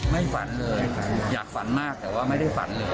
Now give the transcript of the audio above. ฝันเลยอยากฝันมากแต่ว่าไม่ได้ฝันเลย